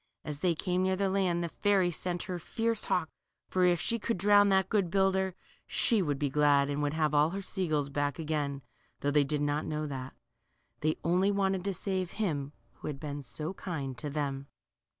As they came near the land, the fairy sent out her fierce hawk, for if she could drown that good builder, she would be glad, and would have all her sea gulls back again, though they did not know that. They only wanted to save him who had been so kind to them.